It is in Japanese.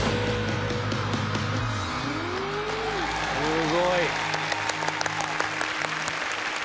すごい。